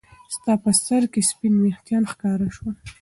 ستا په سر کې سپین ويښتان ښکاره شول.